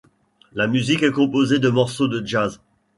La musique est composée de morceaux de jazz.